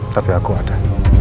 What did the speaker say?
tapi aku ada